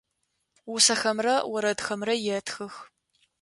Усэхэмрэ орэдхэмрэ етхых.